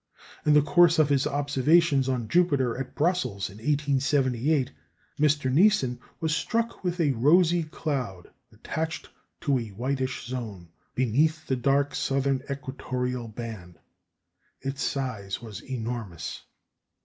In the course of his observations on Jupiter at Brussels in 1878, M. Niesten was struck with a rosy cloud attached to a whitish zone beneath the dark southern equatorial band. Its size was enormous.